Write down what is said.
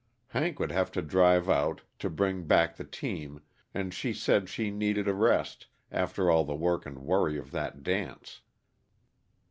Hank would have to drive out, to bring back the team, and she said she needed a rest, after all the work and worry of that dance.